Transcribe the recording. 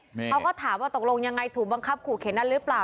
เขาก็ถามว่าตกลงยังไงถูกบังคับขู่เข็นอะไรหรือเปล่า